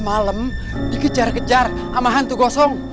ya sengaja begitu pembunuh orang